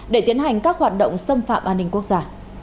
để tiến hành các hoạt động xâm phạm an ninh quốc gia